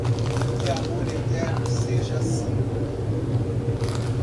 De amor eterno seja símbolo